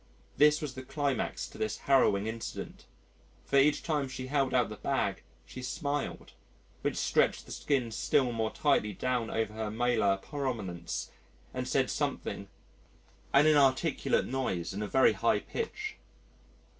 This was the climax to this harrowing incident for each time she held out the bag, she smiled, which stretched the skin still more tightly down over her malar prominence and said something an inarticulate noise in a very high pitch.